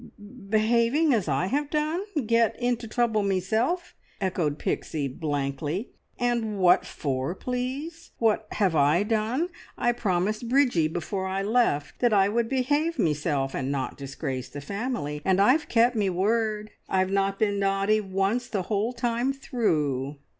"Behaving as I have done! Get into trouble meself!" echoed Pixie blankly. "And what for, please? What have I done? I promised Bridgie before I left that I would behave meself, and not disgrace the family, and I've kept me word. I've not been naughty once the whole time through."